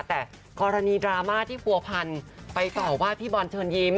แต่กรณีดราม่าที่ผัวพันไปต่อว่าพี่บอลเชิญยิ้ม